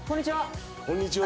こんにちは。